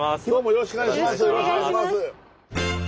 よろしくお願いします。